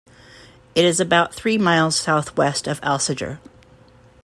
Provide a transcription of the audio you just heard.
It is about three miles south-west of Alsager.